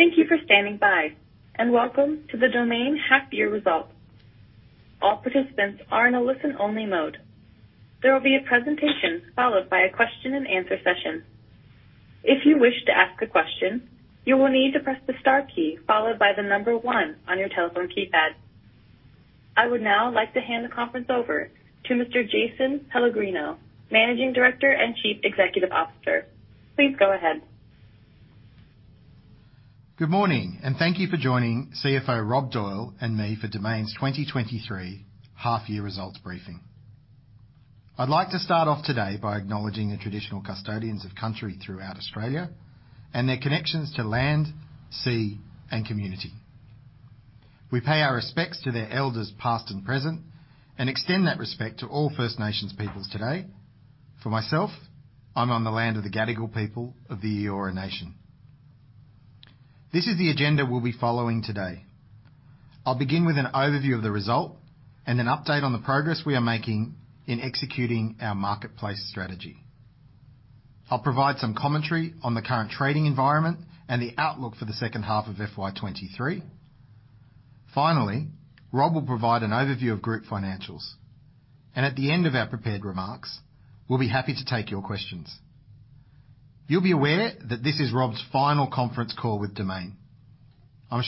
Thank you for standing by, and welcome to the Domain half-year results. All participants are in a listen-only mode. There will be a presentation followed by a question and answer session. If you wish to ask a question, you will need to press the star key followed by the number one on your telephone keypad. I would now like to hand the conference over to Mr. Jason Pellegrino, Managing Director and Chief Executive Officer. Please go ahead. Good morning, thank you for joining CFO Rob Doyle and me for Domain's 2023 half-year results briefing. I'd like to start off today by acknowledging the traditional custodians of country throughout Australia and their connections to land, sea, and community. We pay our respects to their elders, past and present, and extend that respect to all First Nations peoples today. For myself, I'm on the land of the Gadigal people of the Eora Nation. This is the agenda we'll be following today. I'll begin with an overview of the result and an update on the progress we are making in executing our marketplace strategy. I'll provide some commentary on the current trading environment and the outlook for the second half of FY23. Rob will provide an overview of group financials. At the end of our prepared remarks, we'll be happy to take your questions. You'll be aware that this is Rob's final conference call with Domain. We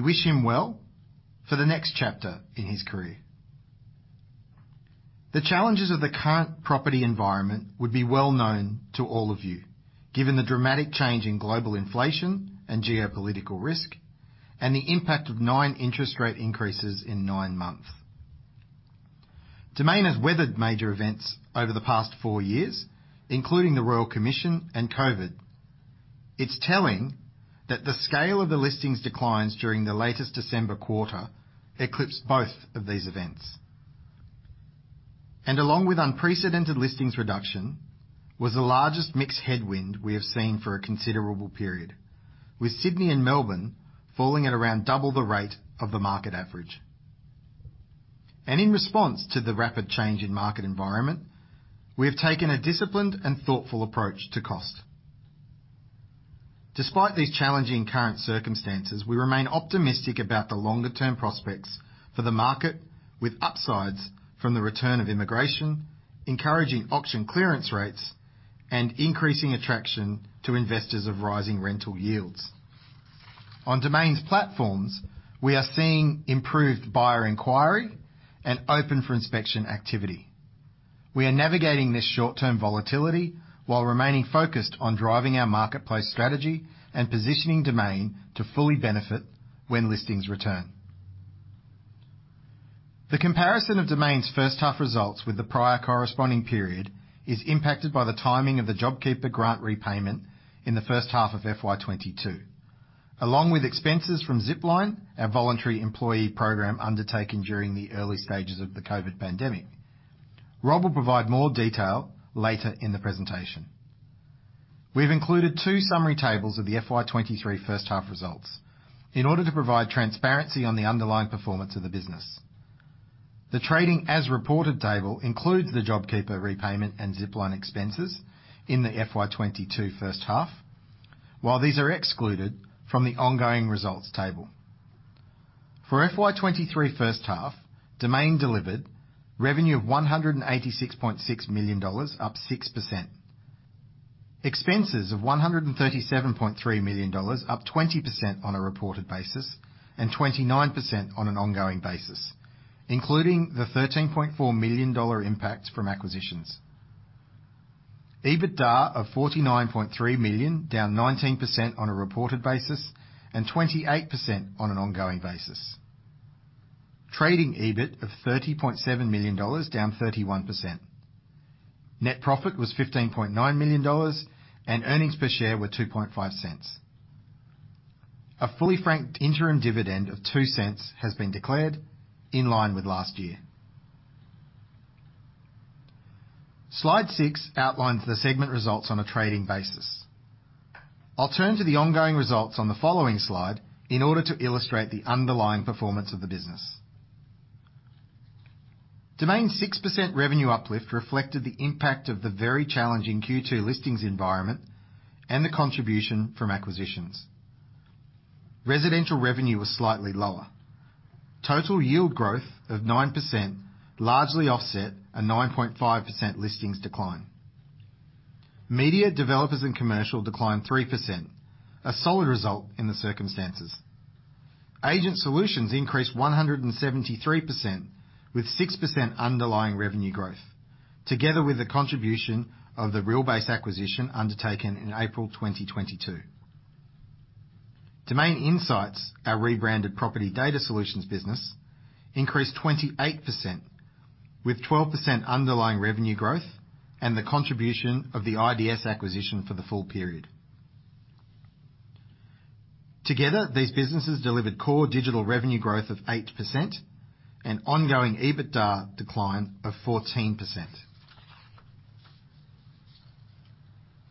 wish him well for the next chapter in his career. The challenges of the current property environment would be well known to all of you, given the dramatic change in global inflation and geopolitical risk, and the impact of nine interest rate increases in nine months. Domain has weathered major events over the past four years, including the Royal Commission and COVID. It's telling that the scale of the listings declines during the latest December quarter eclipsed both of these events. Along with unprecedented listings reduction was the largest mixed headwind we have seen for a considerable period, with Sydney and Melbourne falling at around double the rate of the market average. In response to the rapid change in market environment, we have taken a disciplined and thoughtful approach to cost. Despite these challenging current circumstances, we remain optimistic about the longer term prospects for the market, with upsides from the return of immigration, encouraging auction clearance rates, and increasing attraction to investors of rising rental yields. On Domain's platforms, we are seeing improved buyer inquiry and open for inspection activity. We are navigating this short-term volatility while remaining focused on driving our marketplace strategy and positioning Domain to fully benefit when listings return. The comparison of Domain's first half results with the prior corresponding period is impacted by the timing of the JobKeeper grant repayment in the first half of FY22, along with expenses from Zipline, our voluntary employee program undertaken during the early stages of the COVID pandemic. Rob will provide more detail later in the presentation. We've included two summary tables of the FY23 first half results in order to provide transparency on the underlying performance of the business. The trading as reported table includes the JobKeeper repayment and Zipline expenses in the FY22 first half, while these are excluded from the ongoing results table. For FY23 first half, Domain delivered revenue of 186.6 million dollars, up 6%. Expenses of 137.3 million dollars, up 20% on a reported basis, and 29% on an ongoing basis, including the 13.4 million dollar impact from acquisitions. EBITDA of 49.3 million, down 19% on a reported basis, and 28% on an ongoing basis. Trading EBIT of 30.7 million dollars, down 31%. Net profit was 15.9 million dollars. Earnings per share were 0.025. A fully franked interim dividend of 0.02 has been declared in line with last year. Slide 6 outlines the segment results on a trading basis. I'll turn to the ongoing results on the following slide in order to illustrate the underlying performance of the business. Domain's 6% revenue uplift reflected the impact of the very challenging Q2 listings environment and the contribution from acquisitions. Residential revenue was slightly lower. Total yield growth of 9% largely offset a 9.5% listings decline. Media developers and commercial declined 3%, a solid result in the circumstances. Agent Solutions increased 173% with 6% underlying revenue growth, together with the contribution of the Realbase acquisition undertaken in April 2022. Domain Insights, our rebranded property data solutions business, increased 28% with 12% underlying revenue growth and the contribution of the IDS acquisition for the full period. Together, these businesses delivered core digital revenue growth of 8% and ongoing EBITDA decline of 14%.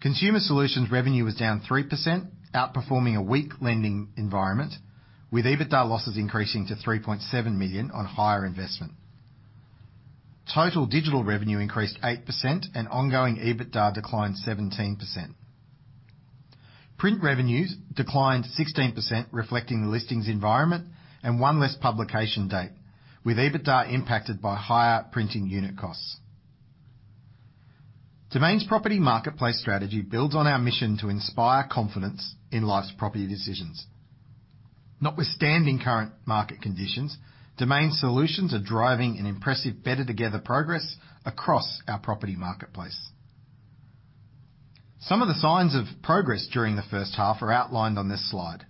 Consumer Solutions revenue was down 3%, outperforming a weak lending environment, with EBITDA losses increasing to 3.7 million on higher investment. Total digital revenue increased 8% and ongoing EBITDA declined 17%. Print revenues declined 16%, reflecting the listings environment and 1 less publication date, with EBITDA impacted by higher printing unit costs. Domain's property marketplace strategy builds on our mission to inspire confidence in life's property decisions. Notwithstanding current market conditions, Domain solutions are driving an impressive Better Together progress across our property marketplace. Some of the signs of progress during the first half are outlined on this slide.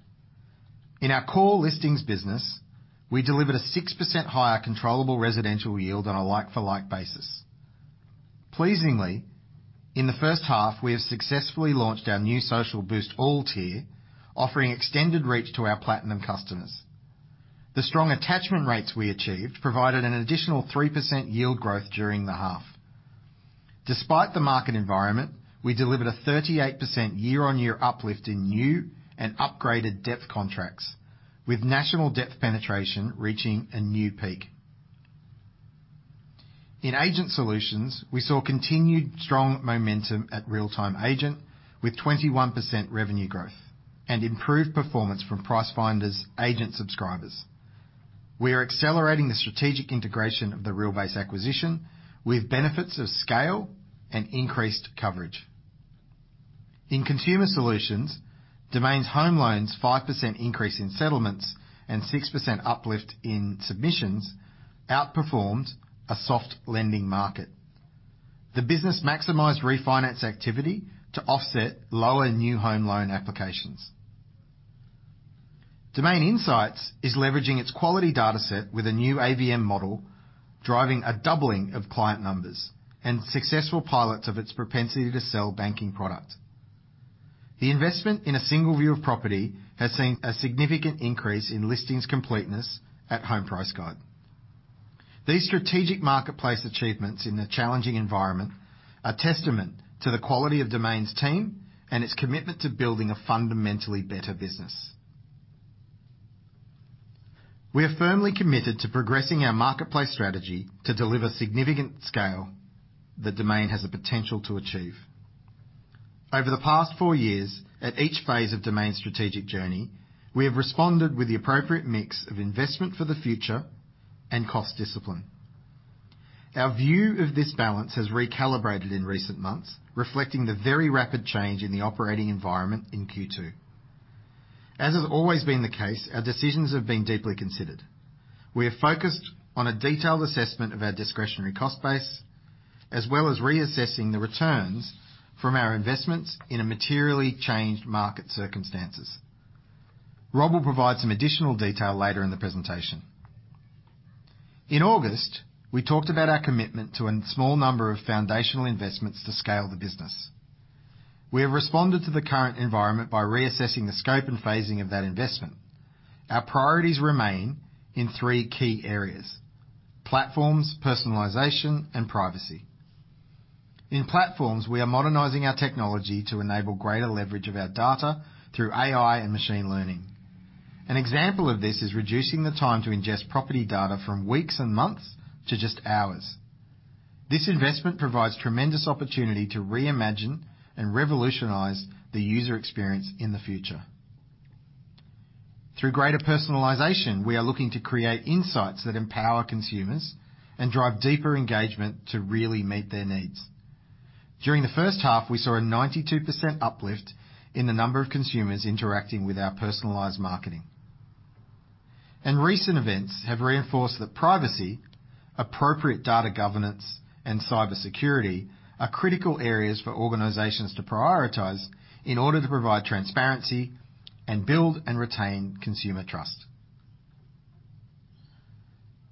In our core listings business, we delivered a 6% higher controllable residential yield on a like for like basis. Pleasingly, in the first half, we have successfully launched our new Social Boost All tier, offering extended reach to our Platinum customers. The strong attachment rates we achieved provided an additional 3% yield growth during the half. Despite the market environment, we delivered a 38% year-on-year uplift in new and upgraded depth contracts, with national depth penetration reaching a new peak. In Agent Solutions, we saw continued strong momentum at RealTime Agent with 21% revenue growth and improved performance from Pricefinder's Agent subscribers. We are accelerating the strategic integration of the Realbase acquisition with benefits of scale and increased coverage. In Consumer Solutions, Domain Home Loans, 5% increase in settlements and 6% uplift in submissions outperformed a soft lending market. The business maximized refinance activity to offset lower new home loan applications. Domain Insights is leveraging its quality data set with a new AVM model, driving a doubling of client numbers and successful pilots of its propensity to sell banking product. The investment in a single view of property has seen a significant increase in listings completeness at Home Price Guide. These strategic marketplace achievements in a challenging environment are testament to the quality of Domain's team and its commitment to building a fundamentally better business. We are firmly committed to progressing our marketplace strategy to deliver significant scale that Domain has the potential to achieve. Over the past four years, at each phase of Domain's strategic journey, we have responded with the appropriate mix of investment for the future and cost discipline. Our view of this balance has recalibrated in recent months, reflecting the very rapid change in the operating environment in Q2. As has always been the case, our decisions have been deeply considered. We are focused on a detailed assessment of our discretionary cost base, as well as reassessing the returns from our investments in a materially changed market circumstances. Rob will provide some additional detail later in the presentation. In August, we talked about our commitment to a small number of foundational investments to scale the business. We have responded to the current environment by reassessing the scope and phasing of that investment. Our priorities remain in three key areas: platforms, personalization, and privacy. In platforms, we are modernizing our technology to enable greater leverage of our data through AI and machine learning. An example of this is reducing the time to ingest property data from weeks and months to just hours. This investment provides tremendous opportunity to reimagine and revolutionize the user experience in the future. Through greater personalization, we are looking to create insights that empower consumers and drive deeper engagement to really meet their needs. During the first half, we saw a 92% uplift in the number of consumers interacting with our personalized marketing. Recent events have reinforced that privacy, appropriate data governance, and cybersecurity are critical areas for organizations to prioritize in order to provide transparency and build and retain consumer trust.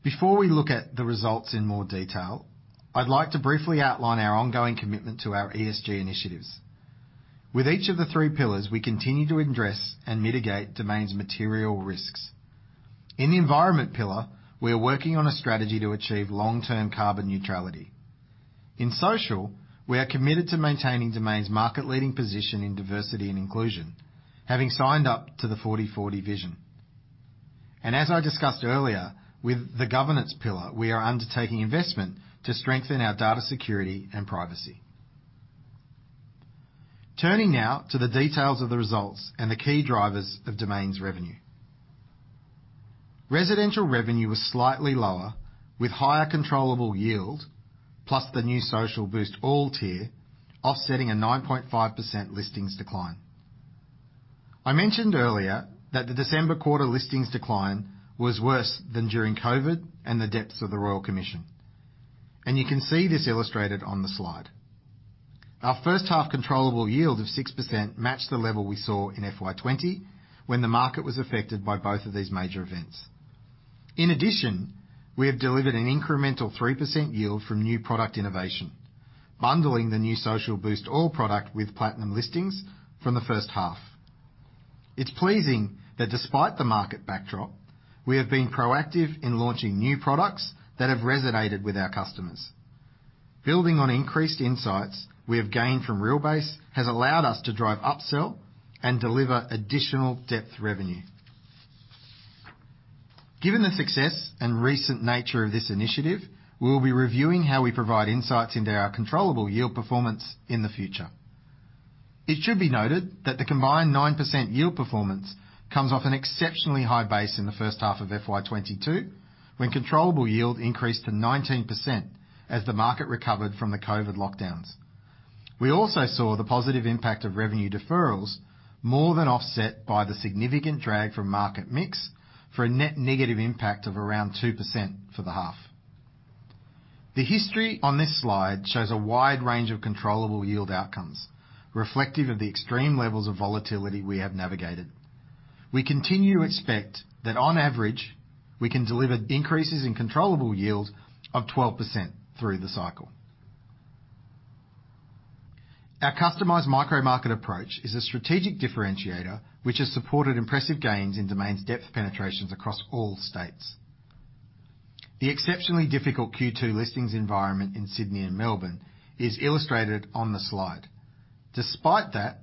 Before we look at the results in more detail, I'd like to briefly outline our ongoing commitment to our ESG initiatives. With each of the three pillars, we continue to address and mitigate Domain's material risks. In the environment pillar, we are working on a strategy to achieve long-term carbon neutrality. In social, we are committed to maintaining Domain's market leading position in diversity and inclusion, having signed up to the 40:40 Vision. As I discussed earlier with the governance pillar, we are undertaking investment to strengthen our data security and privacy. Turning now to the details of the results and the key drivers of Domain's revenue. Residential revenue was slightly lower, with higher controllable yield, plus the new Social Boost All tier offsetting a 9.5% listings decline. I mentioned earlier that the December quarter listings decline was worse than during COVID and the depths of the Royal Commission, and you can see this illustrated on the slide. Our first half controllable yield of 6% matched the level we saw in FY20 when the market was affected by both of these major events. In addition, we have delivered an incremental 3% yield from new product innovation, bundling the new Social Boost All product with platinum listings from the first half. It's pleasing that despite the market backdrop, we have been proactive in launching new products that have resonated with our customers. Building on increased insights we have gained from Realbase has allowed us to drive upsell and deliver additional depth revenue. Given the success and recent nature of this initiative, we'll be reviewing how we provide insights into our controllable yield performance in the future. It should be noted that the combined 9% yield performance comes off an exceptionally high base in the first half of FY22, when controllable yield increased to 19% as the market recovered from the COVID lockdowns. We also saw the positive impact of revenue deferrals more than offset by the significant drag from market mix for a net negative impact of around 2% for the half. The history on this slide shows a wide range of controllable yield outcomes, reflective of the extreme levels of volatility we have navigated. We continue to expect that on average, we can deliver increases in controllable yield of 12% through the cycle. Our customized micro market approach is a strategic differentiator, which has supported impressive gains in Domain's depth penetrations across all states. The exceptionally difficult Q2 listings environment in Sydney and Melbourne is illustrated on the slide. Despite that,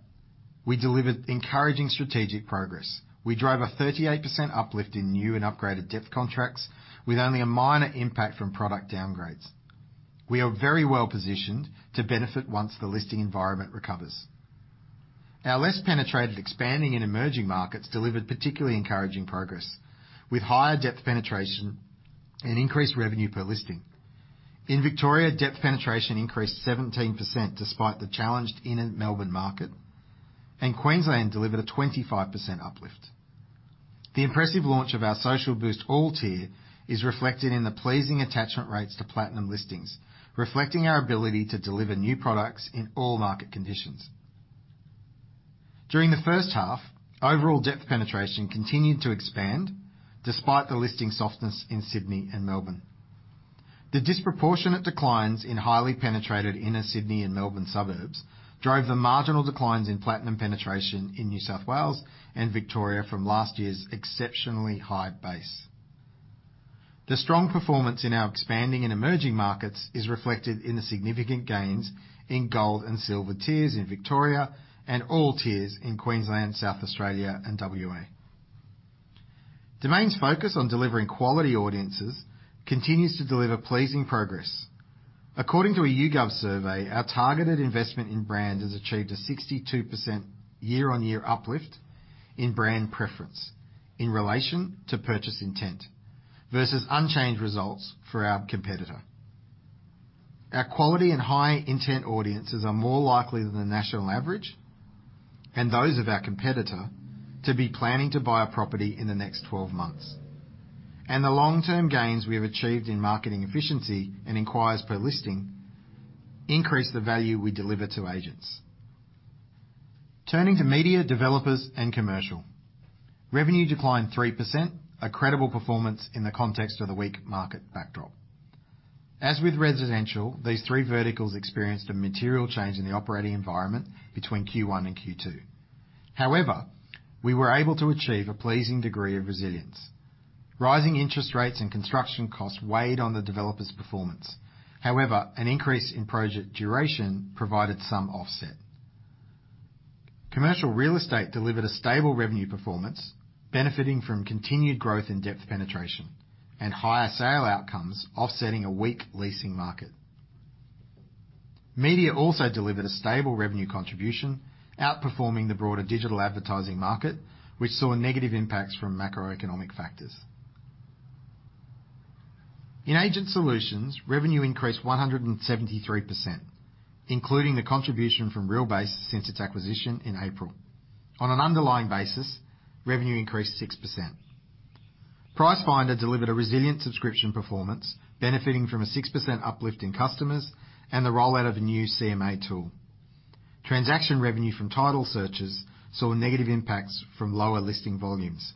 we delivered encouraging strategic progress. We drove a 38% uplift in new and upgraded depth contracts with only a minor impact from product downgrades. We are very well positioned to benefit once the listing environment recovers. Our less penetrated expanding and emerging markets delivered particularly encouraging progress with higher depth penetration and increased revenue per listing. In Victoria, depth penetration increased 17% despite the challenged inner Melbourne market, and Queensland delivered a 25% uplift. The impressive launch of our Social Boost All tier is reflected in the pleasing attachment rates to platinum listings, reflecting our ability to deliver new products in all market conditions. During the first half, overall depth penetration continued to expand despite the listing softness in Sydney and Melbourne. The disproportionate declines in highly penetrated inner Sydney and Melbourne suburbs drove the marginal declines in platinum penetration in New South Wales and Victoria from last year's exceptionally high base. The strong performance in our expanding and emerging markets is reflected in the significant gains in gold and silver tiers in Victoria and all tiers in Queensland, South Australia, and WA. Domain's focus on delivering quality audiences continues to deliver pleasing progress. According to a YouGov survey, our targeted investment in brand has achieved a 62% year-on-year uplift in brand preference in relation to purchase intent versus unchanged results for our competitor. Our quality and high intent audiences are more likely than the national average and those of our competitor to be planning to buy a property in the next 12 months. The long-term gains we have achieved in marketing efficiency and inquiries per listing increase the value we deliver to agents. Turning to Media, Developers, and Commercial. Revenue declined 3%, a credible performance in the context of the weak market backdrop. As with Residential, these three verticals experienced a material change in the operating environment between Q1 and Q2. We were able to achieve a pleasing degree of resilience. Rising interest rates and construction costs weighed on the Developers' performance. An increase in project duration provided some offset. Commercial real estate delivered a stable revenue performance benefiting from continued growth in depth penetration and higher sale outcomes offsetting a weak leasing market. Media also delivered a stable revenue contribution, outperforming the broader digital advertising market, which saw negative impacts from macroeconomic factors. In Agent Solutions, revenue increased 173%, including the contribution from Realbase since its acquisition in April. On an underlying basis, revenue increased 6%. Pricefinder delivered a resilient subscription performance, benefiting from a 6% uplift in customers and the rollout of a new CMA tool. Transaction revenue from title searches saw negative impacts from lower listing volumes.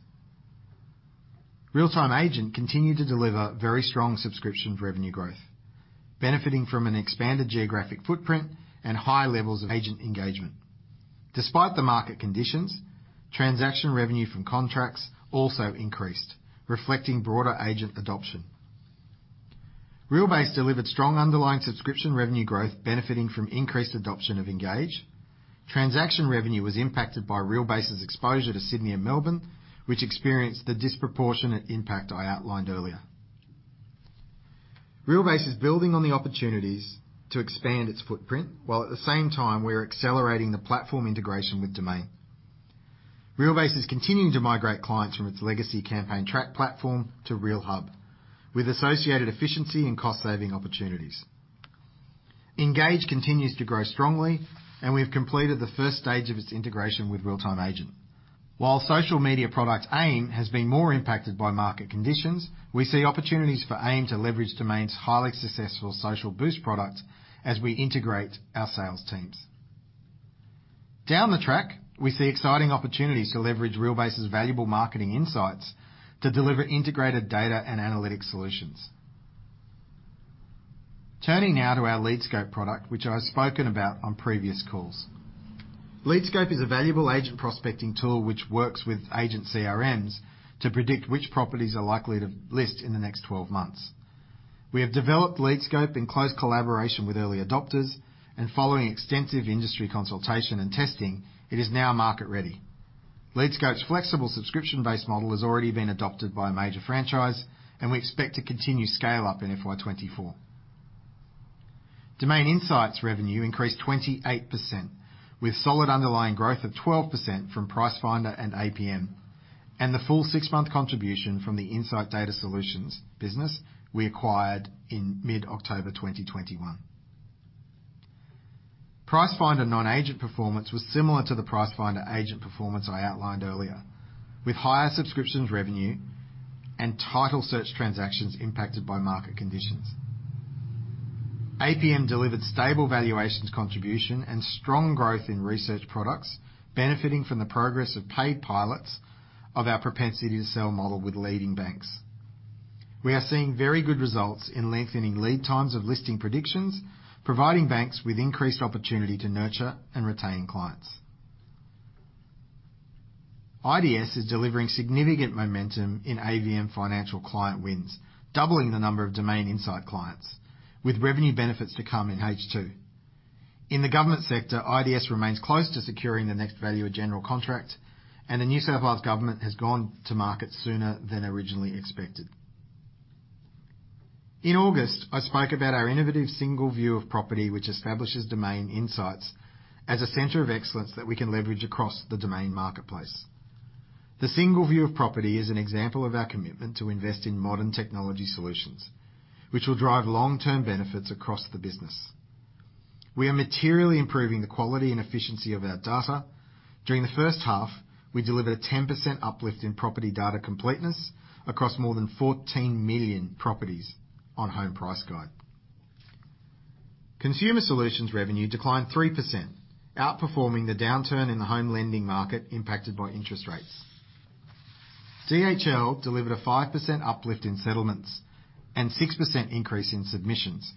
RealTime Agent continued to deliver very strong subscription revenue growth, benefiting from an expanded geographic footprint and high levels of agent engagement. Despite the market conditions, transaction revenue from contracts also increased, reflecting broader agent adoption. Realbase delivered strong underlying subscription revenue growth benefiting from increased adoption of Engage. Transaction revenue was impacted by Realbase's exposure to Sydney and Melbourne, which experienced the disproportionate impact I outlined earlier. Realbase is building on the opportunities to expand its footprint, while at the same time, we are accelerating the platform integration with Domain. Realbase is continuing to migrate clients from its legacy Campaigntrack platform to Realhub with associated efficiency and cost-saving opportunities. Engage continues to grow strongly, and we have completed the first stage of its integration with RealTime Agent. While social media product AIM has been more impacted by market conditions, we see opportunities for AIM to leverage Domain's highly successful Social Boost product as we integrate our sales teams. Down the track, we see exciting opportunities to leverage Realbase's valuable marketing insights to deliver integrated data and analytic solutions. Turning now to our LeadScope product, which I've spoken about on previous calls. LeadScope is a valuable agent prospecting tool which works with agent CRMs to predict which properties are likely to list in the next 12 months. We have developed LeadScope in close collaboration with early adopters and following extensive industry consultation and testing, it is now market ready. LeadScope's flexible subscription-based model has already been adopted by a major franchise. We expect to continue scale up in FY 24. Domain Insights revenue increased 28% with solid underlying growth of 12% from Pricefinder and APM, and the full six-month contribution from the Insight Data Solutions business we acquired in mid-October 2021. Pricefinder non-agent performance was similar to the Pricefinder agent performance I outlined earlier, with higher subscriptions revenue and title search transactions impacted by market conditions. APM delivered stable valuations contribution and strong growth in research products, benefiting from the progress of paid pilots of our propensity to sell model with leading banks. We are seeing very good results in lengthening lead times of listing predictions, providing banks with increased opportunity to nurture and retain clients. IDS is delivering significant momentum in AVM financial client wins, doubling the number of Domain Insights clients with revenue benefits to come in H2. In the government sector, IDS remains close to securing the next value of general contract, and the New South Wales government has gone to market sooner than originally expected. In August, I spoke about our innovative single view of property, which establishes Domain Insights as a center of excellence that we can leverage across the Domain marketplace. The single view of property is an example of our commitment to invest in modern technology solutions, which will drive long-term benefits across the business. We are materially improving the quality and efficiency of our data. During the first half, we delivered a 10% uplift in property data completeness across more than 14 million properties on Home Price Guide. Consumer Solutions revenue declined 3%, outperforming the downturn in the home lending market impacted by interest rates. DHL delivered a 5% uplift in settlements and 6% increase in submissions,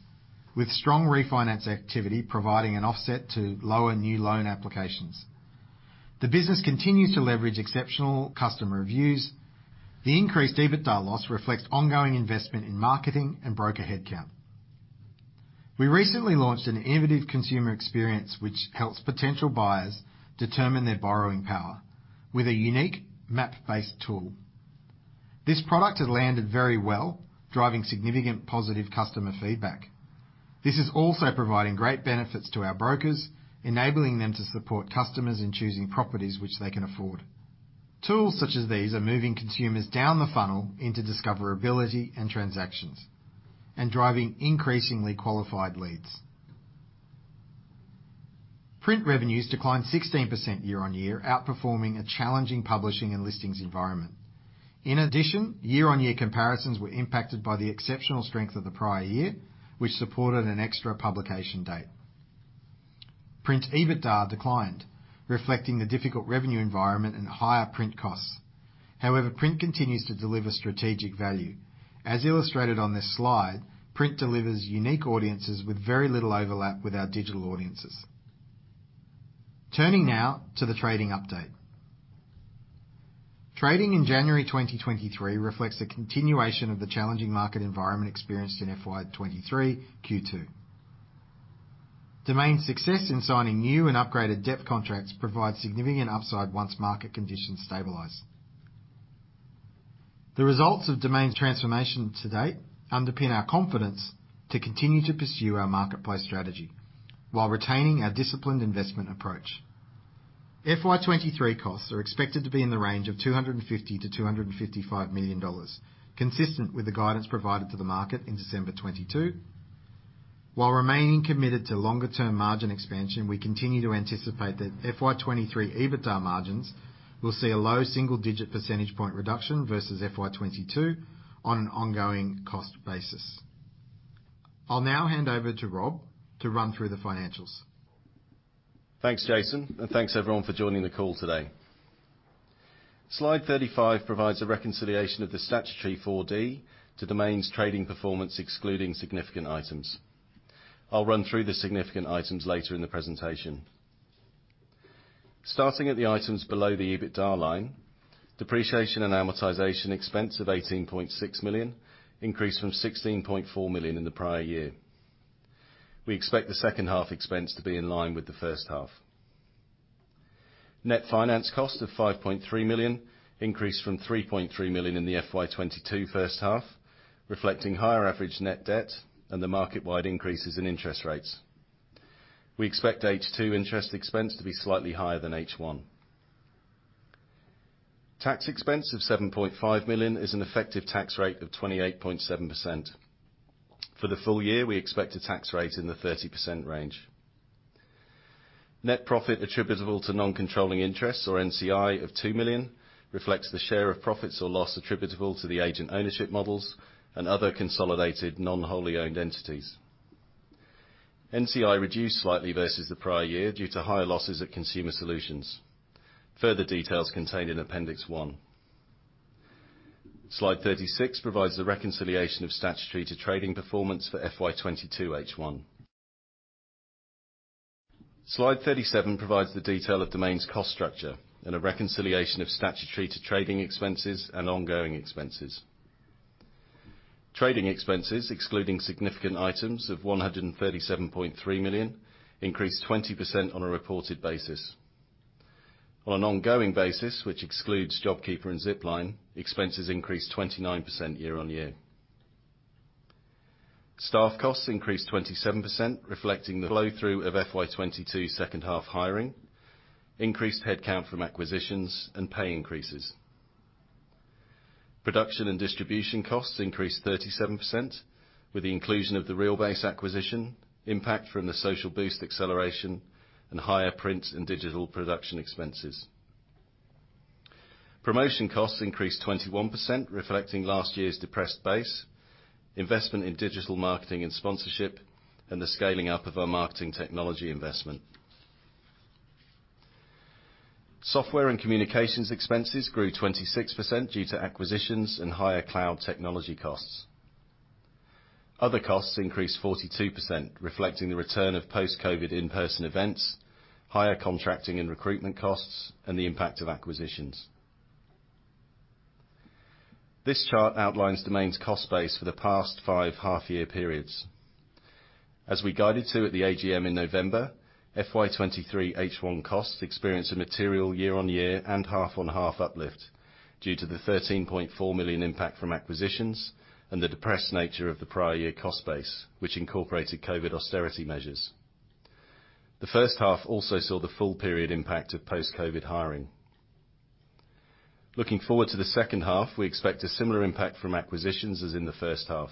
with strong refinance activity providing an offset to lower new loan applications. The business continues to leverage exceptional customer reviews. The increased EBITDA loss reflects ongoing investment in marketing and broker headcount. We recently launched an innovative consumer experience, which helps potential buyers determine their borrowing power with a unique map-based tool. This product has landed very well, driving significant positive customer feedback. This is also providing great benefits to our brokers, enabling them to support customers in choosing properties which they can afford. Tools such as these are moving consumers down the funnel into discoverability and transactions and driving increasingly qualified leads. Print revenues declined 16% year-on-year, outperforming a challenging publishing and listings environment. Year-on-year comparisons were impacted by the exceptional strength of the prior year, which supported an extra publication date. Print EBITDA declined, reflecting the difficult revenue environment and higher print costs. Print continues to deliver strategic value. As illustrated on this slide, print delivers unique audiences with very little overlap with our digital audiences. Turning now to the trading update. Trading in January 2023 reflects the continuation of the challenging market environment experienced in FY23 Q2. Domain's success in signing new and upgraded depth contracts provides significant upside once market conditions stabilize. The results of Domain's transformation to date underpin our confidence to continue to pursue our marketplace strategy while retaining our disciplined investment approach. FY23 costs are expected to be in the range of 250 million-255 million dollars, consistent with the guidance provided to the market in December 2022. Remaining committed to longer-term margin expansion, we continue to anticipate that FY23 EBITDA margins will see a low single-digit percentage point reduction versus FY22 on an ongoing cost basis. I'll now hand over to Rob to run through the financials. Thanks, Jason. Thanks everyone for joining the call today. Slide 35 provides a reconciliation of the statutory 4D to Domain's trading performance, excluding significant items. I'll run through the significant items later in the presentation. Starting at the items below the EBITDA line, depreciation and amortization expense of 18.6 million increased from 16.4 million in the prior year. We expect the second half expense to be in line with the first half. Net finance cost of 5.3 million increased from 3.3 million in the FY22 first half, reflecting higher average net debt and the market-wide increases in interest rates. We expect H2 interest expense to be slightly higher than H1. Tax expense of 7.5 million is an effective tax rate of 28.7%. For the full year, we expect a tax rate in the 30% range. Net profit attributable to non-controlling interests or NCI of 2 million reflects the share of profits or loss attributable to the agent ownership models and other consolidated non-wholly owned entities. NCI reduced slightly versus the prior year due to higher losses at Consumer Solutions. Further details contained in appendix 1. Slide 36 provides a reconciliation of statutory to trading performance for FY22H1. Slide 37 provides the detail of Domain's cost structure and a reconciliation of statutory to trading expenses and ongoing expenses. Trading expenses, excluding significant items of 137.3 million, increased 20% on a reported basis. On an ongoing basis, which excludes JobKeeper and Zipline, expenses increased 29% year-on-year. Staff costs increased 27%, reflecting the flow through of FY22 second half hiring, increased headcount from acquisitions, and pay increases. Production and distribution costs increased 37% with the inclusion of the Realbase acquisition, impact from the Social Boost acceleration, and higher print and digital production expenses. Promotion costs increased 21%, reflecting last year's depressed base, investment in digital marketing and sponsorship, and the scaling up of our marketing technology investment. Software and communications expenses grew 26% due to acquisitions and higher cloud technology costs. Other costs increased 42%, reflecting the return of post-COVID in-person events, higher contracting and recruitment costs, and the impact of acquisitions. This chart outlines Domain's cost base for the past five half-year periods. As we guided to at the AGM in November, FY23 H1 costs experienced a material year-on-year and half-on-half uplift due to the 13.4 million impact from acquisitions and the depressed nature of the prior year cost base, which incorporated COVID austerity measures. The first half also saw the full period impact of post-COVID hiring. Looking forward to the second half, we expect a similar impact from acquisitions as in the first half.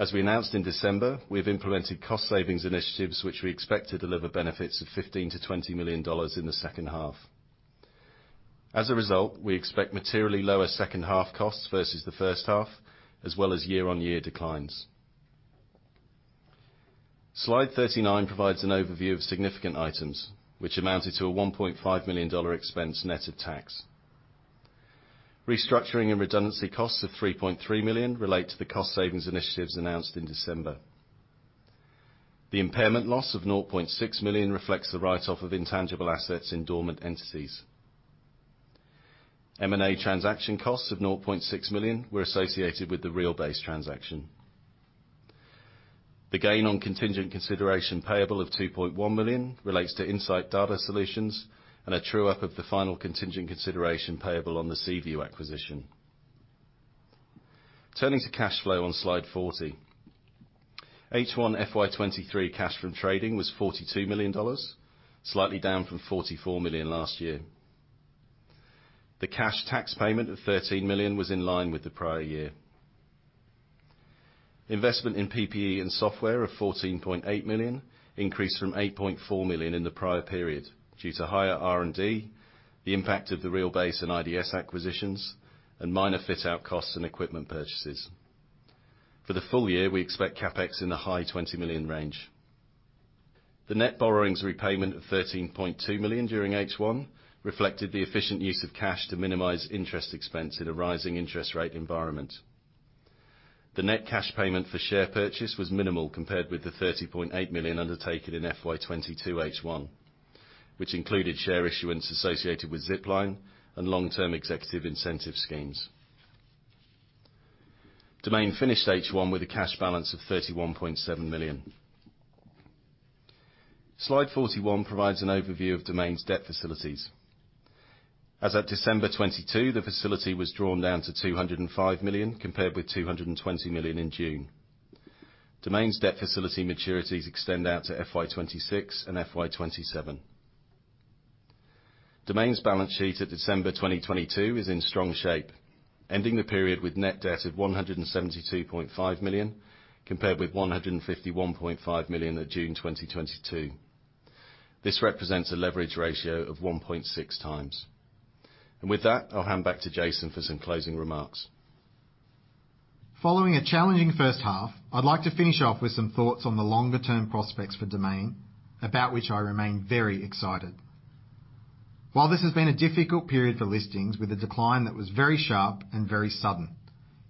As we announced in December, we have implemented cost savings initiatives which we expect to deliver benefits of 15 million-20 million dollars in the second half. As a result, we expect materially lower second half costs versus the first half, as well as year-on-year declines. Slide 39 provides an overview of significant items which amounted to a 1.5 million dollar expense net of tax. Restructuring and redundancy costs of 3.3 million relate to the cost savings initiatives announced in December. The impairment loss of 0.6 million reflects the write-off of intangible assets in dormant entities. M&A transaction costs of 0.6 million were associated with the Realbase transaction. The gain on contingent consideration payable of 2.1 million relates to Insight Data Solutions and a true-up of the final contingent consideration payable on the CView acquisition. Turning to cash flow on slide 40. H1 FY23 cash from trading was AUD 42 million, slightly down from AUD 44 million last year. The cash tax payment of AUD 13 million was in line with the prior year. Investment in PPE and software of 14.8 million increased from 8.4 million in the prior period due to higher R&D, the impact of the Realbase and IDS acquisitions, and minor fit-out costs and equipment purchases. For the full year, we expect CapEx in the high 20 million range. The net borrowings repayment of 13.2 million during H1 reflected the efficient use of cash to minimize interest expense in a rising interest rate environment. The net cash payment for share purchase was minimal compared with the 30.8 million undertaken in FY22H1, which included share issuance associated with Zipline and long-term executive incentive schemes. Domain finished H1 with a cash balance of 31.7 million. Slide 41 provides an overview of Domain's debt facilities. As at December 2022, the facility was drawn down to 205 million compared with 220 million in June. Domain's debt facility maturities extend out to FY26 and FY27. Domain's balance sheet at December 2022 is in strong shape, ending the period with net debt of 172.5 million, compared with 151.5 million at June 2022. This represents a leverage ratio of 1.6 times. With that, I'll hand back to Jason for some closing remarks. Following a challenging first half, I'd like to finish off with some thoughts on the longer term prospects for Domain, about which I remain very excited. While this has been a difficult period for listings with a decline that was very sharp and very sudden,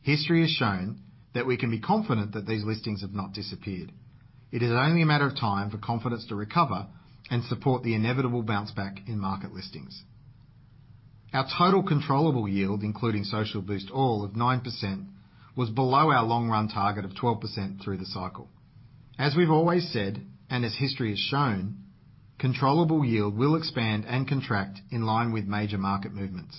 history has shown that we can be confident that these listings have not disappeared. It is only a matter of time for confidence to recover and support the inevitable bounce back in market listings. Our total controllable yield, including Social Boost All, of 9%, was below our long run target of 12% through the cycle. As we've always said, and as history has shown, controllable yield will expand and contract in line with major market movements.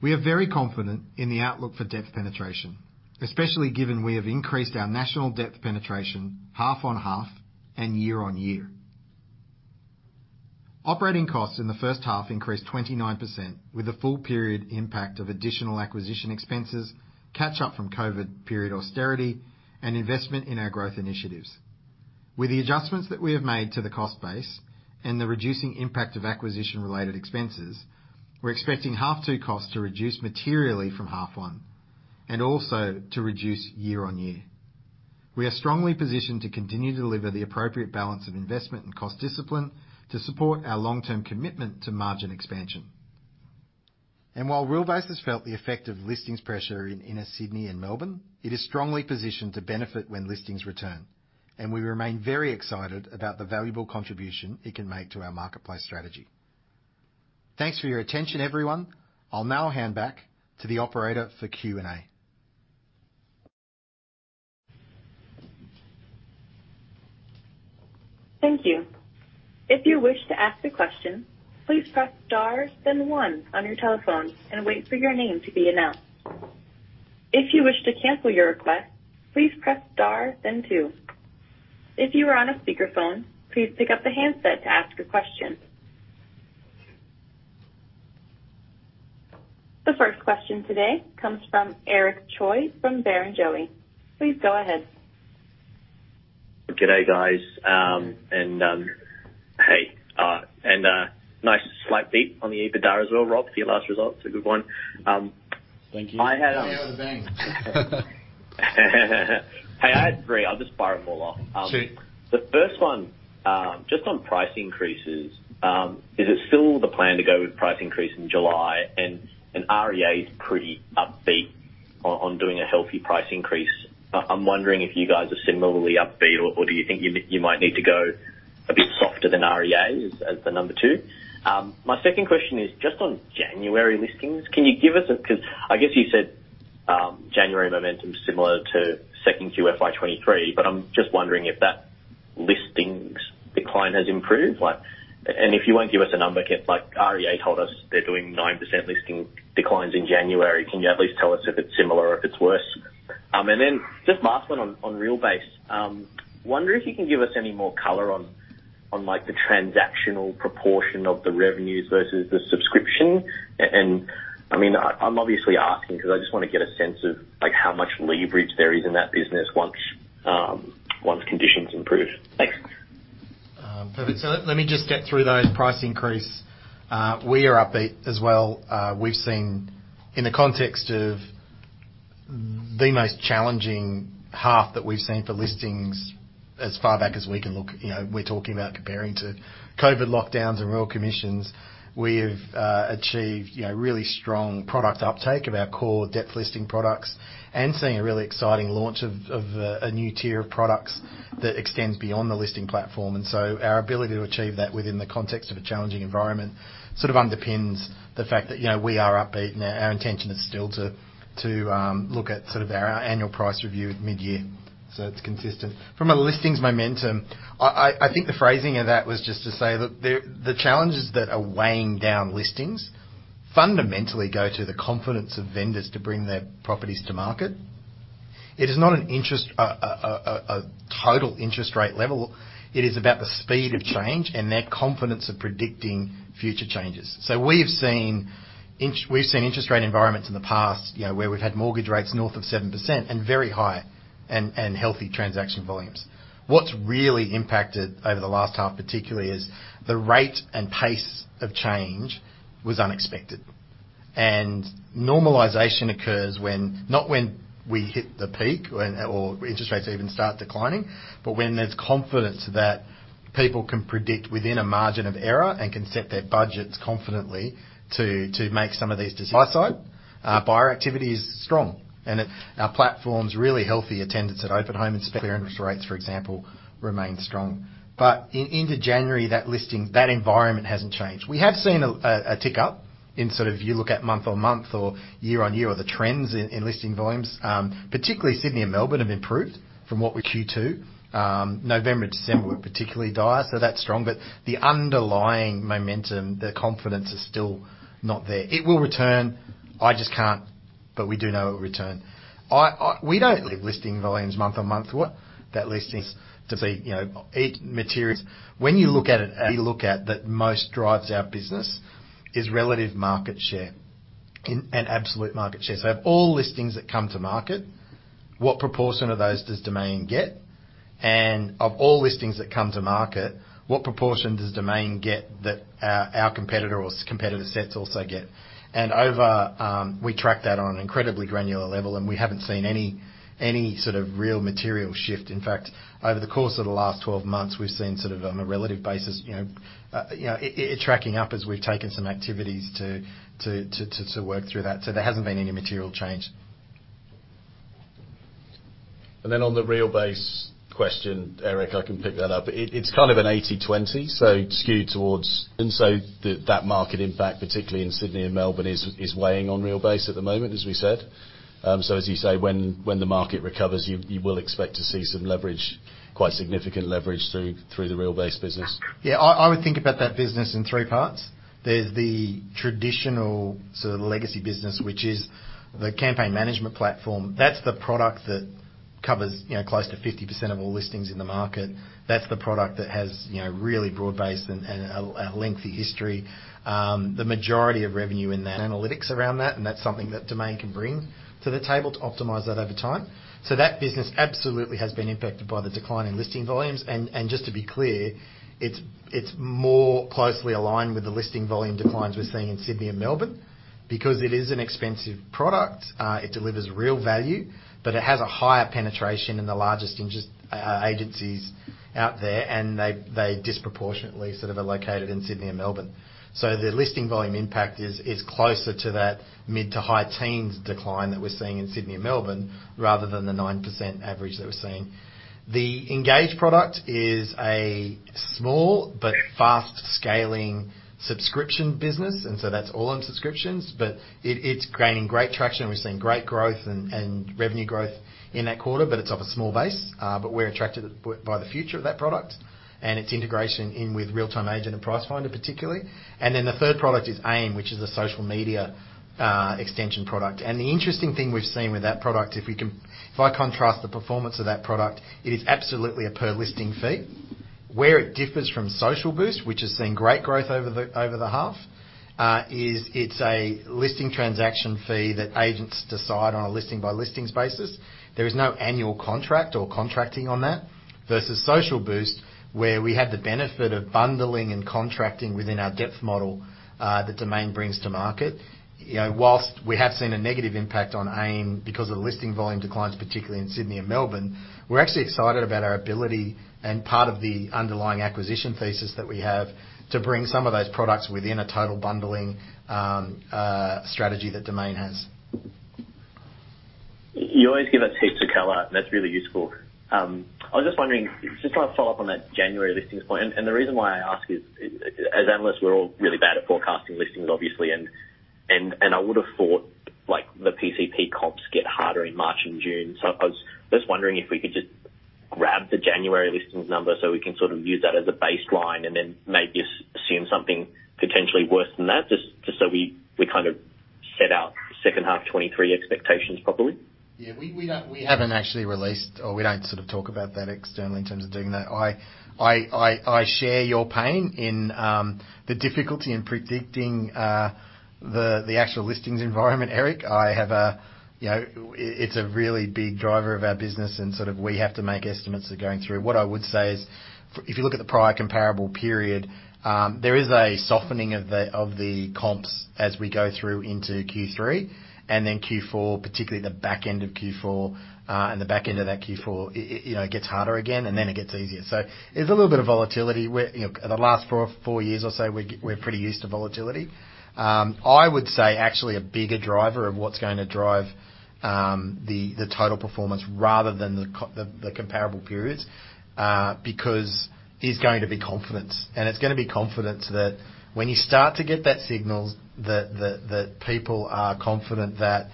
We are very confident in the outlook for depth penetration, especially given we have increased our national depth penetration half-on-half and year-on-year. Operating costs in the first half increased 29% with the full period impact of additional acquisition expenses, catch-up from COVID period austerity, and investment in our growth initiatives. With the adjustments that we have made to the cost base and the reducing impact of acquisition-related expenses, we're expecting half two costs to reduce materially from half one, and also to reduce year-on-year. We are strongly positioned to continue to deliver the appropriate balance of investment and cost discipline to support our long-term commitment to margin expansion. While Realbase has felt the effect of listings pressure in Inner Sydney and Melbourne, it is strongly positioned to benefit when listings return, and we remain very excited about the valuable contribution it can make to our marketplace strategy. Thanks for your attention, everyone. I'll now hand back to the operator for Q&A. Thank you. If you wish to ask a question, please press star then one on your telephone and wait for your name to be announced. If you wish to cancel your request, please press star then two. If you are on a speakerphone, please pick up the handset to ask a question. The first question today comes from Eric Choi from Barrenjoey. Please go ahead. Good day, guys. Hey, nice slight beat on the EBITDA as well, Rob, for your last result. It's a good one. Thank you. I had. Out of the bang. Hey, I had three. I'll just fire them all off. Sure. The first one, just on price increases, is it still the plan to go with price increase in July? REA is pretty upbeat on doing a healthy price increase. I'm wondering if you guys are similarly upbeat or do you think you might need to go a bit softer than REA as the number two? My second question is just on January listings. I guess you said January momentum similar to second QFY '23, but I'm just wondering if that listings decline has improved. If you won't give us a number, like REA told us they're doing 9% listing declines in January. Can you at least tell us if it's similar or if it's worse? Just last one on Realbase. Wonder if you can give us any more color on like the transactional proportion of the revenues versus the subscription. I mean, I'm obviously asking 'cause I just wanna get a sense of like how much leverage there is in that business once conditions improve. Thanks. Perfect. Let me just get through those price increase. We are upbeat as well. We've seen in the context of the most challenging half that we've seen for listings as far back as we can look, you know, we're talking about comparing to COVID lockdowns and Royal Commission. We have achieved, you know, really strong product uptake of our core depth listing products and seen a really exciting launch of a new tier of products that extends beyond the listing platform. Our ability to achieve that within the context of a challenging environment sort of underpins the fact that, you know, we are upbeat and our intention is still to look at sort of our annual price review mid-year. It's consistent. From a listings momentum, I think the phrasing of that was just to say that the challenges that are weighing down listings fundamentally go to the confidence of vendors to bring their properties to market. It is not an interest, a total interest rate level. It is about the speed of change and their confidence of predicting future changes. We've seen interest rate environments in the past, you know, where we've had mortgage rates north of 7% and very high and healthy transaction volumes. What's really impacted over the last half, particularly, is the rate and pace of change was unexpected. Normalization occurs when... not when we hit the peak when, or interest rates even start declining, but when there's confidence that people can predict within a margin of error and can set their budgets confidently to make some of these decisions. Buyer side, buyer activity is strong and our platform's really healthy. Attendance at open home inspection rates, for example, remain strong. Into January, that listing, that environment hasn't changed. We have seen a tick up in sort of, if you look at month-on-month or year-on-year or the trends in listing volumes, particularly Sydney and Melbourne have improved from what were Q2. November and December were particularly dire, that's strong. The underlying momentum, the confidence is still not there. It will return. I just can't. We do know it will return. We don't leave listing volumes month-on-month. What that listings to be, you know, it materials. When you look at it, we look at that most drives our business is relative market share and absolute market share. Of all listings that come to market, what proportion of those does Domain get? Of all listings that come to market, what proportion does Domain get that our competitor or competitive sets also get? Over we track that on an incredibly granular level, and we haven't seen any sort of real material shift. In fact, over the course of the last 12 months, we've seen sort of on a relative basis, you know, it tracking up as we've taken some activities to work through that. There hasn't been any material change. On the Realbase question, Eric, I can pick that up. It's kind of an 80/20, so skewed towards... That market impact, particularly in Sydney and Melbourne, is weighing on Realbase at the moment, as we said. As you say, when the market recovers, you will expect to see some leverage, quite significant leverage through the Realbase business. Yeah. I would think about that business in three parts. There's the traditional sort of legacy business which is the campaign management platform, that's the product that covers, you know, close to 50% of all listings in the market. That's the product that has, you know, really broad-based and a lengthy history. The majority of revenue in that analytics around that, and that's something that Domain can bring to the table to optimize that over time. That business absolutely has been impacted by the decline in listing volumes. Just to be clear, it's more closely aligned with the listing volume declines we're seeing in Sydney and Melbourne because it is an expensive product. It delivers real value, but it has a higher penetration in the largest agencies out there, and they disproportionately sort of are located in Sydney and Melbourne. The listing volume impact is closer to that mid to high teens decline that we're seeing in Sydney and Melbourne rather than the 9% average that we're seeing. The Engage product is a small but fast-scaling subscription business, that's all on subscriptions. It's gaining great traction. We're seeing great growth and revenue growth in that quarter, but it's of a small base. But we're attracted by the future of that product and its integration in with RealTime Agent and Pricefinder, particularly. The third product is AIM, which is a social media extension product. The interesting thing we've seen with that product, if I contrast the performance of that product, it is absolutely a per listing fee. Where it differs from Social Boost, which has seen great growth over the half, is it's a listing transaction fee that agents decide on a listing by listings basis. There is no annual contract or contracting on that versus Social Boost, where we have the benefit of bundling and contracting within our depth model that Domain brings to market. You know, whilst we have seen a negative impact on AIM because of the listing volume declines, particularly in Sydney and Melbourne, we're actually excited about our ability and part of the underlying acquisition thesis that we have to bring some of those products within a total bundling strategy that Domain has. You always give us heaps of color, and that's really useful. I was just wondering, just wanna follow up on that January listings point. The reason why I ask is, as analysts, we're all really bad at forecasting listings, obviously. I would have thought, like, the PCP comps get harder in March and June. I was just wondering if we could just grab the January listings number, so we can sort of use that as a baseline and then maybe assume something potentially worse than that, just so we kind of set our second half 2023 expectations properly. We haven't actually released or we don't sort of talk about that externally in terms of doing that. I share your pain in the difficulty in predicting the actual listings environment, Eric. You know, it's a really big driver of our business and sort of we have to make estimates of going through. What I would say is if you look at the prior comparable period, there is a softening of the comps as we go through into Q3 and then Q4, particularly the back end of Q4. The back end of that Q4, you know, gets harder again, and then it gets easier. There's a little bit of volatility. We're, you know, the last 4 years or so, we're pretty used to volatility. I would say actually a bigger driver of what's going to drive the total performance rather than the comparable periods because is going to be confidence. It's going to be confidence that when you start to get that signal, that people are confident that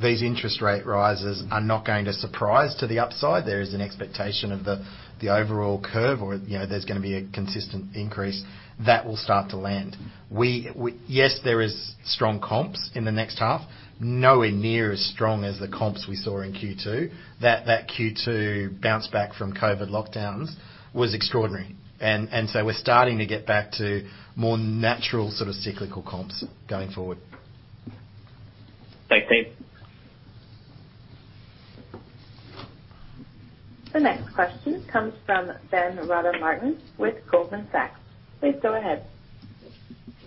these interest rate rises are not going to surprise to the upside. There is an expectation of the overall curve or, you know, there's going to be a consistent increase that will start to land. Yes, there is strong comps in the next half. Nowhere near as strong as the comps we saw in Q2. That Q2 bounce back from COVID lockdowns was extraordinary. We're starting to get back to more natural sort of cyclical comps going forward. Thanks, team. The next question comes from Ben Rada Martin with Goldman Sachs. Please go ahead.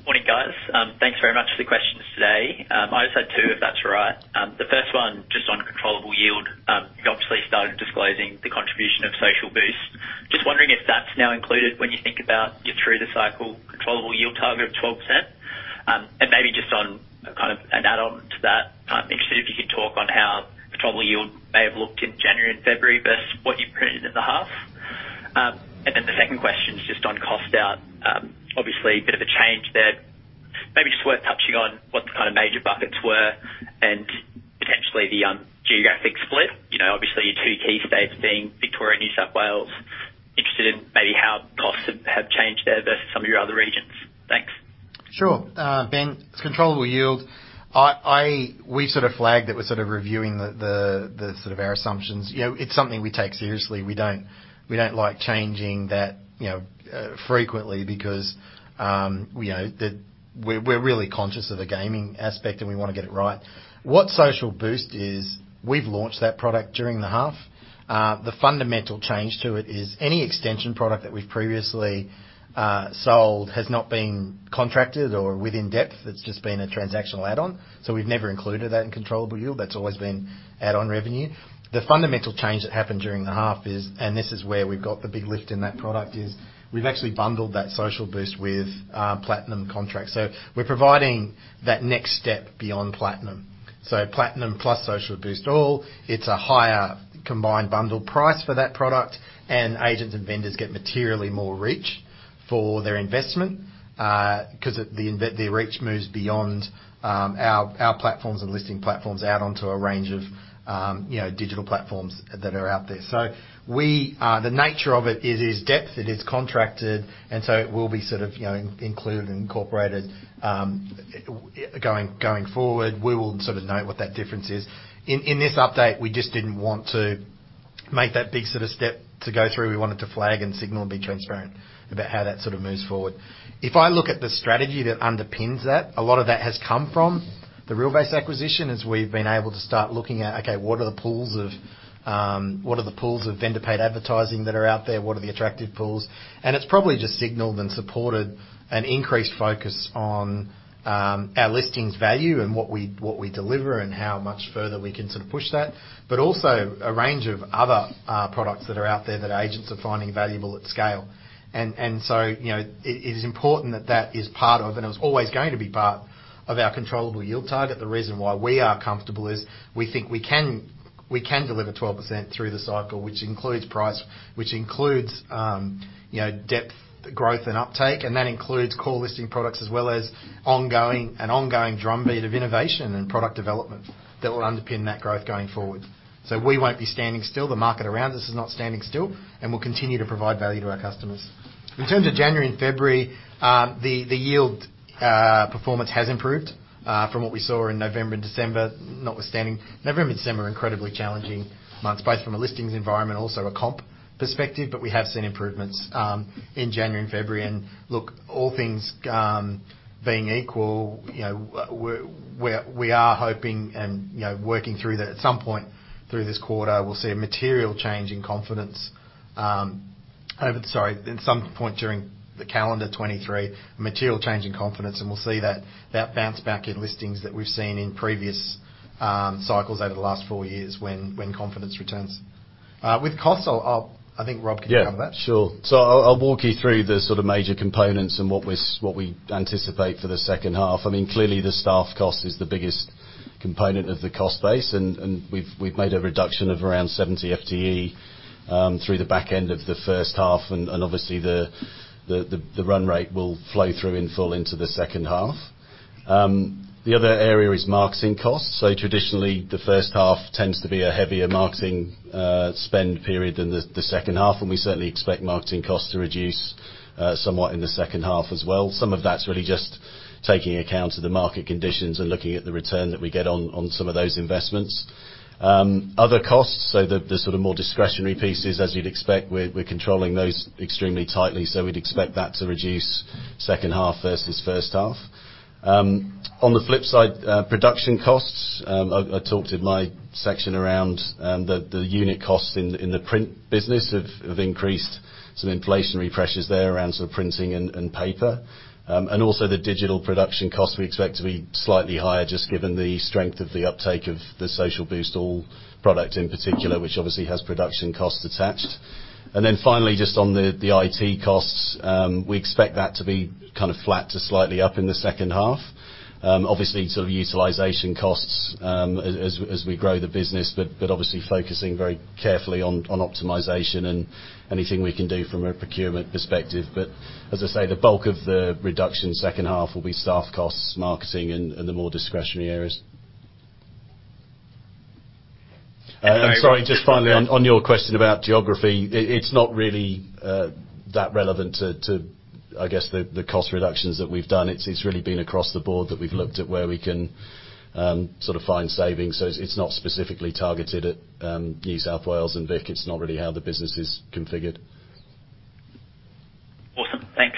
Morning, guys. Thanks very much for the questions today. I just had two, if that's all right. The first one just on controllable yield. You obviously started disclosing the contribution of Social Boost. Just wondering if that's now included when you think about your through the cycle controllable yield target of 12%. Maybe just on kind of an add-on to that, kind of interested if you could talk on how controllable yield may have looked in January and February versus what you printed in the half. The second question is just on cost out. Obviously a bit of a change there. Maybe just worth touching on what the kind of major buckets were and potentially the geographic split. You know, obviously your 2 key states being Victoria and New South Wales. Interested in maybe how costs have changed there versus some of your other regions. Thanks. Sure. Ben, controllable yield, We sort of flagged that we're sort of reviewing the sort of our assumptions. You know, it's something we take seriously. We don't, we don't like changing that, you know, frequently because, you know, we're really conscious of the gaming aspect, and we wanna get it right. What Social Boost is, we've launched that product during the half. The fundamental change to it is any extension product that we've previously sold has not been contracted or within depth. It's just been a transactional add-on. We've never included that in controllable yield. That's always been add-on revenue. The fundamental change that happened during the half is, this is where we've got the big lift in that product, is we've actually bundled that Social Boost with platinum contracts. We're providing that next step beyond Platinum. Platinum plus Social Boost All, it's a higher combined bundle price for that product, and agents and vendors get materially more reach for their investment, 'cause the reach moves beyond our platforms and listing platforms out onto a range of, you know, digital platforms that are out there. The nature of it is it is depth, it is contracted, and so it will be sort of, you know, included and incorporated going forward. We will sort of note what that difference is. In this update, we just didn't want to make that big sort of step to go through. We wanted to flag and signal and be transparent about how that sort of moves forward. If I look at the strategy that underpins that, a lot of that has come from the Realbase acquisition, as we've been able to start looking at, okay, what are the pools of what are the pools of vendor paid advertising that are out there? What are the attractive pools? It's probably just signaled and supported an increased focus on our listings value and what we deliver and how much further we can sort of push that, but also a range of other products that are out there that agents are finding valuable at scale. You know, it is important that that is part of, and it was always going to be part of our controllable yield target. The reason why we are comfortable is we think we can deliver 12% through the cycle, which includes price, which includes, you know, depth, growth, and uptake, and that includes core listing products as well as ongoing drumbeat of innovation and product development that will underpin that growth going forward. We won't be standing still. The market around us is not standing still, and we'll continue to provide value to our customers. In terms of January and February, the yield performance has improved from what we saw in November and December. Notwithstanding November and December are incredibly challenging months, both from a listings environment, also a comp perspective, but we have seen improvements in January and February. All things, you know, being equal, we are hoping and, you know, working through that at some point through this quarter, we'll see a material change in confidence, at some point during the calendar 2023, material change in confidence, and we'll see that bounce back in listings that we've seen in previous cycles over the last 4 years when confidence returns. With costs, I think Rob can cover that. Yeah, sure. I'll walk you through the sort of major components and what we anticipate for the second half. I mean, clearly the staff cost is the biggest component of the cost base, and we've made a reduction of around 70 FTE through the back end of the first half and obviously the run rate will flow through in full into the second half. The other area is marketing costs. Traditionally the first half tends to be a heavier marketing spend period than the second half, and we certainly expect marketing costs to reduce somewhat in the second half as well. Some of that's really just taking account of the market conditions and looking at the return that we get on some of those investments. Other costs, so the sort of more discretionary pieces, as you'd expect, we're controlling those extremely tightly, so we'd expect that to reduce second half versus first half. On the flip side, production costs, I talked in my section around the unit costs in the print business have increased some inflationary pressures there around sort of printing and paper. Also the digital production cost we expect to be slightly higher just given the strength of the uptake of the Social Boost All product in particular, which obviously has production costs attached. Finally, just on the IT costs, we expect that to be kind of flat to slightly up in the second half. Obviously sort of utilization costs, as we grow the business, obviously focusing very carefully on optimization and anything we can do from a procurement perspective. As I say, the bulk of the reduction second half will be staff costs, marketing and the more discretionary areas. And I- Sorry, just finally on your question about geography, it's not really that relevant to I guess the cost reductions that we've done. It's really been across the board that we've looked at where we can sort of find savings. It's not specifically targeted at New South Wales and Vic. It's not really how the business is configured. Awesome. Thanks.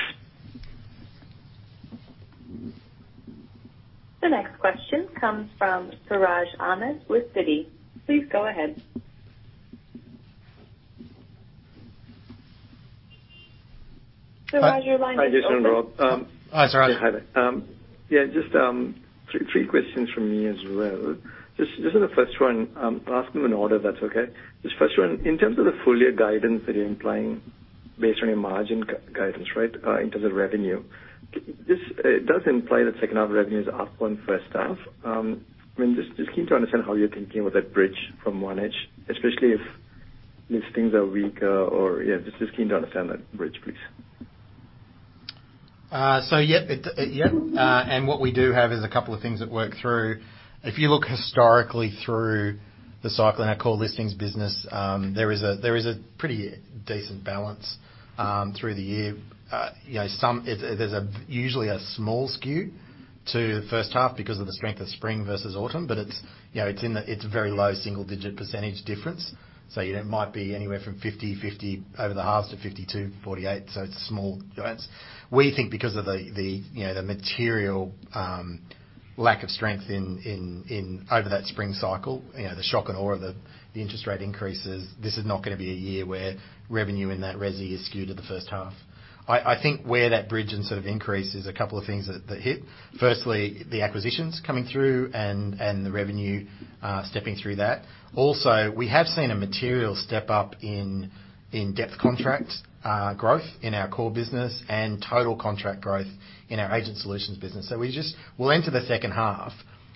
The next question comes from Siraj Ahmed with Citi. Please go ahead. Siraj, your line is open. Hi, Jason and Rob. Hi, Siraj. Yeah, hi there. Yeah, just three questions from me as well. Just on the first one, I'll ask them in order if that's okay. Just first one, in terms of the full year guidance that you're implying based on your margin guidance, right, in terms of revenue, this does imply that second half revenue is up on first half. I mean, just keen to understand how you're thinking with that bridge from 1H, especially if listings are weaker or, yeah, just keen to understand that bridge, please. Yep, it, yep. What we do have is a couple of things that work through. If you look historically through the cycle in our core listings business, there is a pretty decent balance through the year. You know, there's a usually a small skew to the first half because of the strength of spring versus autumn, but it's, you know, it's a very low single-digit percentage difference. It might be anywhere from 50 over the halves to 52, 48. It's small. We think because of the, you know, the material, lack of strength in, over that spring cycle, you know, the shock and awe of the interest rate increases, this is not gonna be a year where revenue in that resi is skewed to the first half. I think where that bridge and sort of increase is a couple of things that hit. Firstly, the acquisitions coming through and the revenue, stepping through that. Also, we have seen a material step up in depth contract, growth in our core business and total contract growth in our Agent Solutions business. We'll enter the second half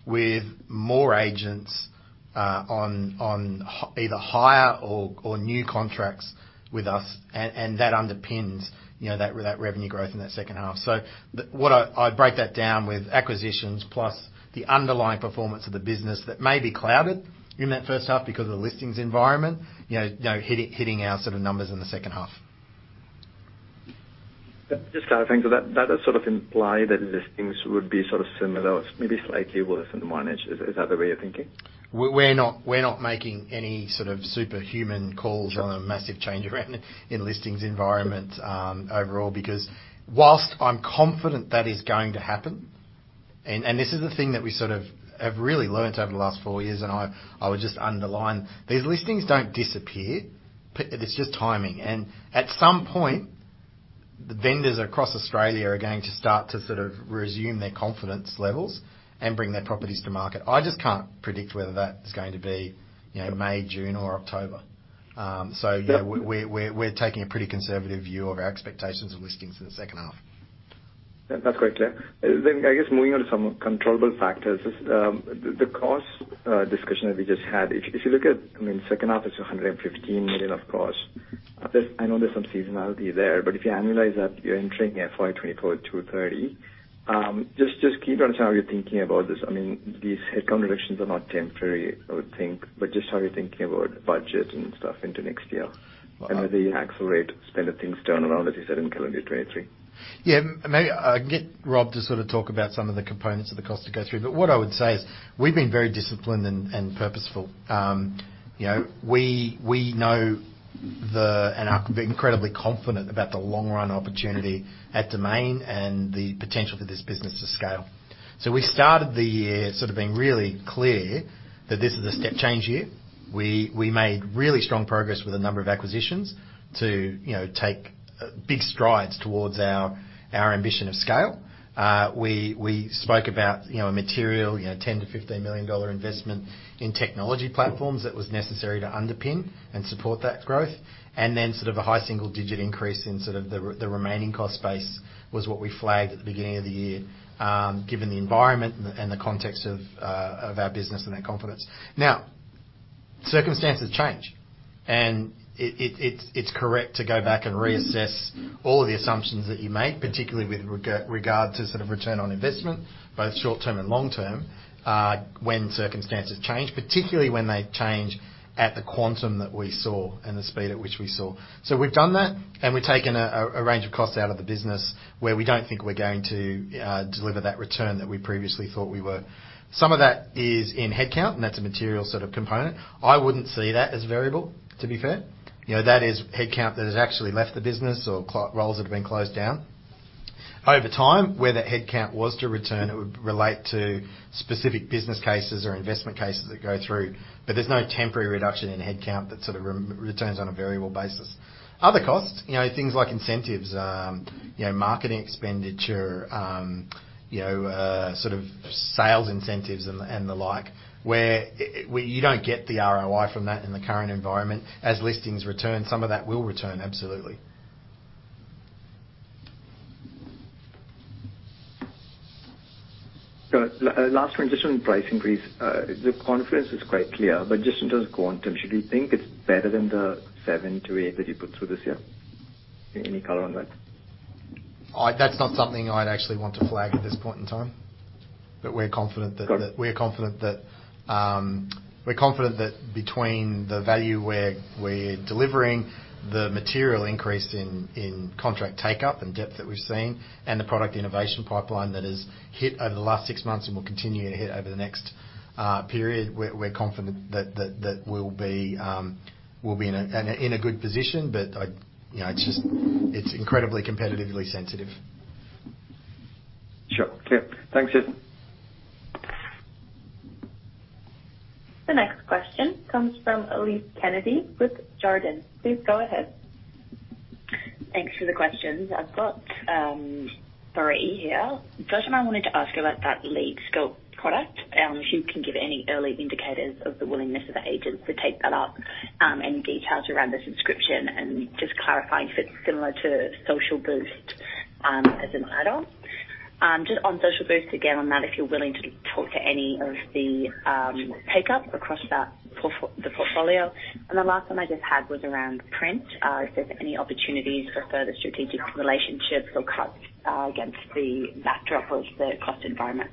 with more agents, on either higher or new contracts with us, and that underpins, you know, that revenue growth in that second half. The. I break that down with acquisitions plus the underlying performance of the business that may be clouded in that first half because of the listings environment, you know, hitting our sort of numbers in the second half. Just sort of thing, that does sort of imply that listings would be sort of similar or maybe slightly worse than one edge. Is that the way you're thinking? We're not making any sort of superhuman calls. Sure. On a massive change around in listings environment, overall, because whilst I'm confident that is going to happen, and this is the thing that we sort of have really learnt over the last four years, and I would just underline, these listings don't disappear. It's just timing. At some point, the vendors across Australia are going to start to sort of resume their confidence levels and bring their properties to market. I just can't predict whether that is going to be, you know, May, June or October. Yeah. Yeah. We're taking a pretty conservative view of our expectations of listings in the second half. Yeah, that's quite clear. I guess moving on to some controllable factors. The cost discussion that we just had, if you look at, I mean, second half is 115 million of cost. I know there's some seasonality there, but if you annualize that, you're entering at FY24, 230. Just keen to understand how you're thinking about this. I mean, these headcount reductions are not temporary, I would think, but just how are you thinking about budget and stuff into next year? Uh. As you accelerate spend and things turn around, as you said, in calendar 2023. Yeah. I'll get Rob to sort of talk about some of the components of the cost to go through. What I would say is we've been very disciplined and purposeful. You know, and are incredibly confident about the long run opportunity at Domain and the potential for this business to scale. We started the year sort of being really clear that this is a step change year. We made really strong progress with a number of acquisitions to, you know, take big strides towards our ambition of scale. We spoke about, you know, a material, you know, 10 million-15 million dollar investment in technology platforms that was necessary to underpin and support that growth. Sort of a high single-digit increase in sort of the remaining cost base was what we flagged at the beginning of the year, given the environment and the context of our business and our confidence. Circumstances change, and it's correct to go back and reassess all of the assumptions that you made, particularly with regard to sort of return on investment, both short-term and long-term, when circumstances change, particularly when they change at the quantum that we saw and the speed at which we saw. We've done that, and we've taken a range of costs out of the business where we don't think we're going to deliver that return that we previously thought we were. Some of that is in headcount, and that's a material sort of component. I wouldn't see that as variable, to be fair. You know, that is headcount that has actually left the business or roles that have been closed down. Over time, where that headcount was to return, it would relate to specific business cases or investment cases that go through, but there's no temporary reduction in headcount that sort of returns on a variable basis. Other costs, you know, things like incentives, marketing expenditure, you know, sort of sales incentives and the, and the like, where you don't get the ROI from that in the current environment. As listings return, some of that will return, absolutely. Got it. Last one, just on price increase. The confidence is quite clear, but just in terms of quantum, should we think it's better than the 7%-8% that you put through this year? Any color on that? That's not something I'd actually want to flag at this point in time. We're confident that. Got it. We're confident that we're confident that between the value we're delivering, the material increase in contract take-up and depth that we've seen, and the product innovation pipeline that has hit over the last six months and will continue to hit over the next period, we're confident that we'll be in a good position. I, you know, it's just, it's incredibly competitively sensitive. Sure. Okay. Thanks, Jason. The next question comes from Elise Kennedy with Jarden. Please go ahead. Thanks for the questions. I've got three here. First one, I wanted to ask about that LeadScope product, if you can give any early indicators of the willingness of agents to take that up, any details around the subscription and just clarifying if it's similar to Social Boost, as an add-on. Just on Social Boost, again, on that, if you're willing to talk to any of the take-up across the portfolio. The last one I just had was around print. If there's any opportunities for further strategic relationships or cuts, against the backdrop of the cost environment.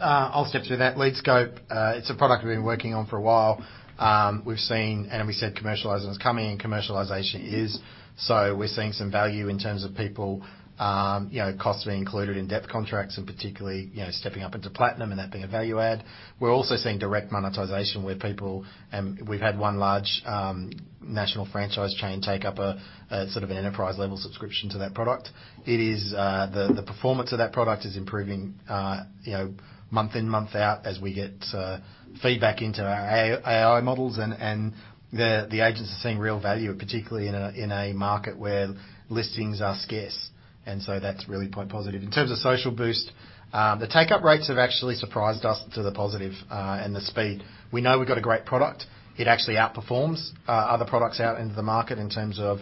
I'll step through that. LeadScope, it's a product we've been working on for a while. We've seen and we said commercialization was coming, and commercialization is. We're seeing some value in terms of people, you know, costs being included in depth contracts and particularly, you know, stepping up into Platinum and that being a value add. We're also seeing direct monetization where people, we've had one large national franchise chain take up a sort of an enterprise level subscription to that product. It is, the performance of that product is improving, you know, month in, month out as we get feedback into our AI models and the agents are seeing real value, particularly in a market where listings are scarce. That's really quite positive. In terms of Social Boost, the take-up rates have actually surprised us to the positive and the speed. We know we've got a great product. It actually outperforms other products out into the market in terms of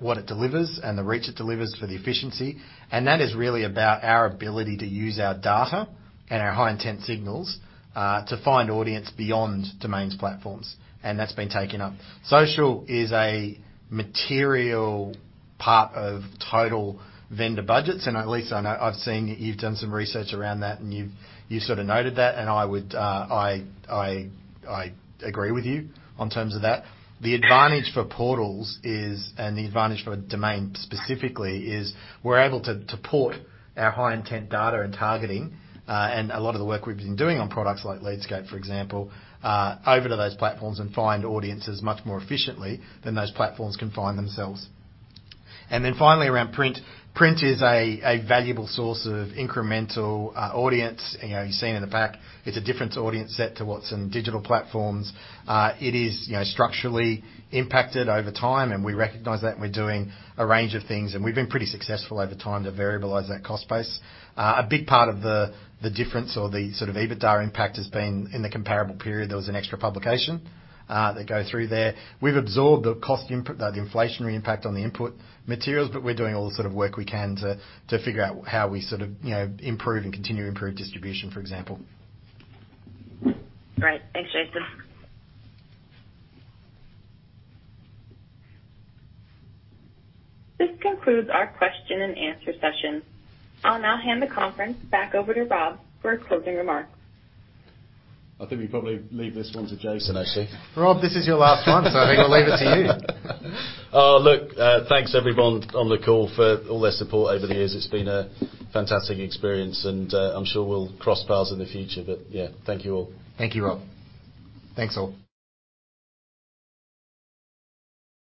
what it delivers and the reach it delivers for the efficiency. That is really about our ability to use our data and our high intent signals to find audience beyond Domain's platforms, and that's been taken up. Social is a material part of total vendor budgets and at least Elise Kennedy, I know I've seen you've done some research around that and you sort of noted that and I would agree with you on terms of that. The advantage for portals is, and the advantage for Domain specifically is we're able to port our high intent data and targeting, and a lot of the work we've been doing on products like LeadScope, for example, over to those platforms and find audiences much more efficiently than those platforms can find themselves. Finally around print. Print is a valuable source of incremental audience. You know, you've seen in the back, it's a different audience set to what's in digital platforms. It is, you know, structurally impacted over time, and we recognize that and we're doing a range of things, and we've been pretty successful over time to variabilize that cost base. A big part of the difference or the sort of EBITDA impact has been in the comparable period, there was an extra publication that go through there. We've absorbed the cost input, the inflationary impact on the input materials, but we're doing all the sort of work we can to figure out how we sort of, you know, improve and continue to improve distribution, for example. Great. Thanks, Jason. This concludes our question and answer session. I'll now hand the conference back over to Rob for closing remarks. I think we probably leave this one to Jason, actually. Rob, this is your last one, so I think I'll leave it to you. Oh, look, thanks everyone on the call for all their support over the years. It's been a fantastic experience and, I'm sure we'll cross paths in the future. Yeah, thank you all. Thank you, Rob. Thanks, all.